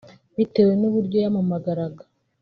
Bitewe n’uburyo yampamagara